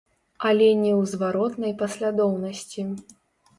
Але не ў зваротнай паслядоўнасці.